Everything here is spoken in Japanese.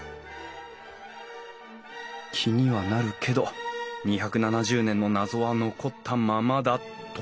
気にはなるけど２７０年の謎は残ったままだと。